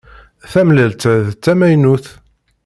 Tamellalt-a d tamaynut.